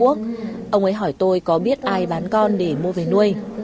ông ấy hỏi tôi có biết ai bán con để mua về nuôi